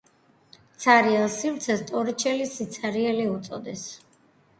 ცარიელ სივრცეს ტორიჩელის სიცარიელე უწოდეს